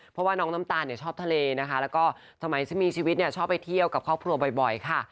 เพราะว่าน้องน้ำตาลชอบทะเลนะคะแล้วก็สมัยที่มีชีวิตเนี่ยชอบไปเที่ยวกับครอบครัวบ่อยค่ะ